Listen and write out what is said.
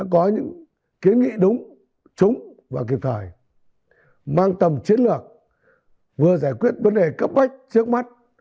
có những kiến nghị đúng trúng và kịp thời mang tầm chiến lược vừa giải quyết vấn đề cấp bách trước mắt